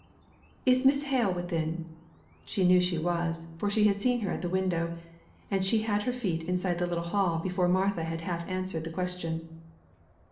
"Is Miss Hale within?" She knew she was, for she had seen her at the window, and she had her feet inside the little hall before Martha had half answered the question.